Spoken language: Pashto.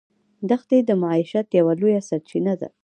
دښتې د معیشت یوه لویه سرچینه ده.